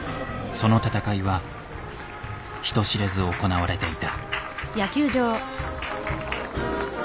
その戦いは人知れず行われていた。